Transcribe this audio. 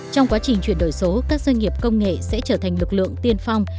trong quá trình chuyển đổi số các doanh nghiệp công nghệ sẽ trở thành lực lượng tiên phong